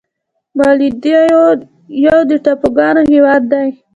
مالدیو یو د ټاپوګانو هېواد دی.